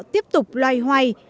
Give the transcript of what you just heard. tiếp tục loay hoay